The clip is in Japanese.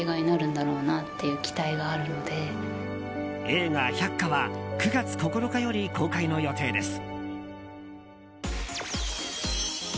映画「百花」は９月９日より公開の予定です。